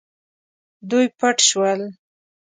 دوی پټ شول.